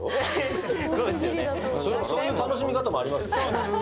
そういう楽しみ方もありますよ。